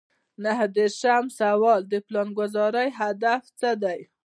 نهه دېرشم سوال د پلانګذارۍ هدف څه دی.